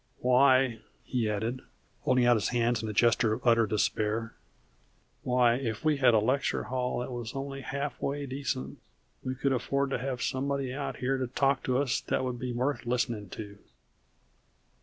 Why," he added, holding out his hands in a gesture of utter despair, "why, if we had a lecture hall that was only halfway decent, _we could afford to have somebody out here to talk to us that would be worth listening to!